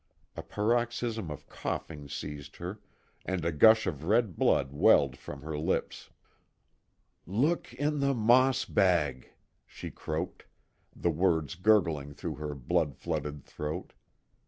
A paroxysm of coughing seized her, and a gush of red blood welled from her lips. "Look in the moss bag," she croaked, the words gurgling through her blood flooded throat.